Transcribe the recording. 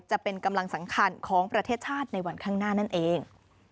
จะเป็นกำลังสำคัญของประเทศชาติในวันข้างหน้านั่นเอง